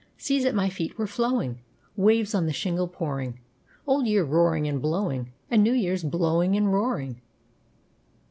Seas at my feet were flowing Waves on the shingle pouring, Old Year roaring and blowing And New Year blowing and roaring.